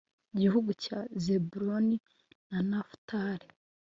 Mu gihugu cya Zebuluni na Nafutali